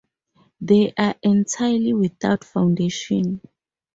They are entirely without foundation.